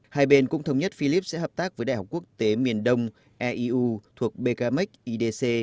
hai bên cũng thống nhất philips sẽ hợp tác với đại học quốc tế miền đông eiu thuộc bkmac idc